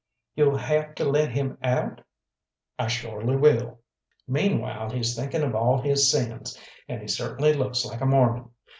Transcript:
"You'll have to let him out?" "I shorely will; meanwhile he's thinking of all his sins, and he certainly looks like a Mormon.